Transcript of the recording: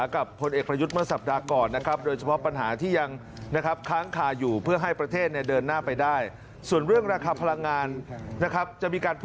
ขอบคุณครับขอบคุณครับประกาศทันทีครับ